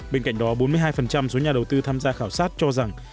bên cạnh đó bốn mươi hai số nhà đầu tư tham gia khảo sát cho rằng